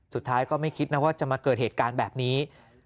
สุดท้ายก็ไม่คิดนะว่าจะมาเกิดเหตุการณ์แบบนี้